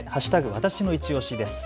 わたしのいちオシです。